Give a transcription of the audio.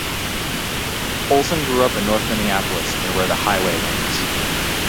Olson grew up in North Minneapolis, near where the highway runs.